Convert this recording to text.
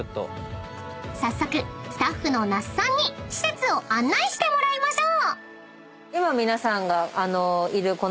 ［早速スタッフの那須さんに施設を案内してもらいましょう］